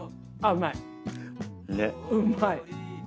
うまい。